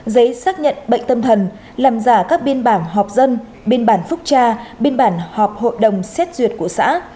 giấy xác nhận bệnh tâm thần làm giả các biên bản họp dân biên bản phúc tra biên bản họp hội đồng xét duyệt của xã